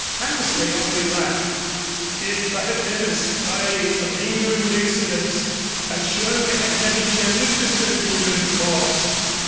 Hammersley only laughed. "If I had been a spy of England, Excellenz, I surely had many chances to serve England's cause.